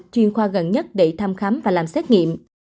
chuyên khoa gần nhất để thăm khám và làm xét nghiệm